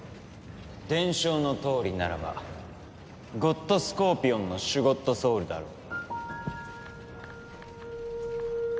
伝承のとおりならばゴッドスコーピオンのシュゴッドソウルだろう。